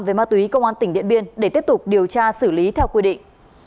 về ma túy công an tỉnh điện biên để tiếp tục điều tra xử lý theo quy định